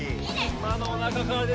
今のおなかから出てた。